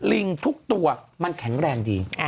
ลิงทุกตัวมันแข็งแรงดี